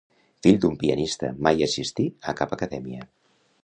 Fill d'un pianista, mai assistí a cap acadèmia.